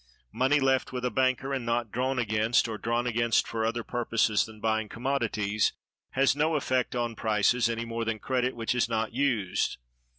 Money left with a banker, and not drawn against, or drawn against for other purposes than buying commodities, has no effect on prices, any more than credit which is not used.